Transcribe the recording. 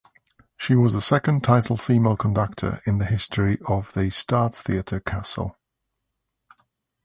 She was the second titled female conductor in the history of the Staatstheater Kassel.